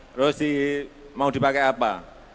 terus mau dipakai apa